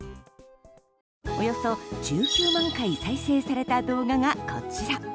およそ１９万回再生された動画がこちら。